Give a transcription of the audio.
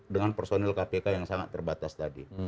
dengan personil kpk yang sangat terbatas tadi